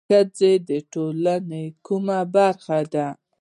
ښځه د ټولنې کومه برخه ده؟